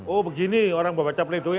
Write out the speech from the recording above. oh begini orang baca pre doi